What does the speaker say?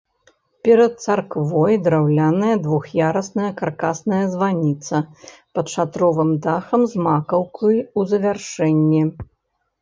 Перад царквой драўляная двух'ярусная каркасная званіца пад шатровым дахам з макаўкай у завяршэнні.